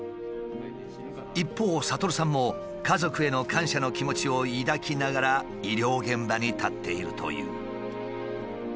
一方悟さんも家族への感謝の気持ちを抱きながら医療現場に立っているという。